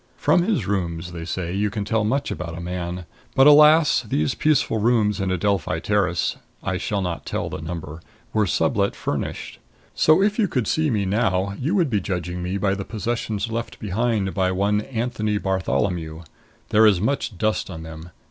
From his rooms, they say, you can tell much about a man. But, alas! these peaceful rooms in Adelphi Terrace I shall not tell the number were sublet furnished. So if you could see me now you would be judging me by the possessions left behind by one Anthony Bartholomew. There is much dust on them.